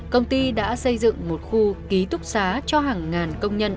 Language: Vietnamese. công ty đã xây dựng một khu ký túc xá cho hàng ngàn công nhân